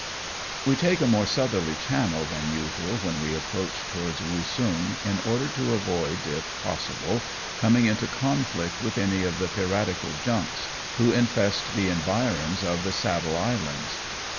We take a more southerly channel than usual when we approach towards Woosung, in order to avoid, if possible, coming into conflict with any of the piratical 210 AMONG TYPHOONS AND PIRATE CRAFT. junks, who infest the environs of the Saddle Islands.